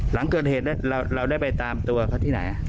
หลังเกิดเหตุเนี่ยเราได้ไปตามเพราะตัวเขาที่ไหนอ่ะ